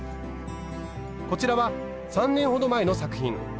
こちらは３年ほど前の作品。